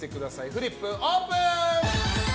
フリップオープン！